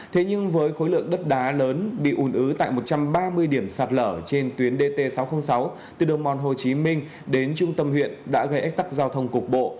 thế nhưng với khối lượng đất đá lớn bị ùn ứ tại một trăm ba mươi điểm sạt lở trên tuyến dt sáu trăm linh sáu từ đường mòn hồ chí minh đến trung tâm huyện đã gây ách tắc giao thông cục bộ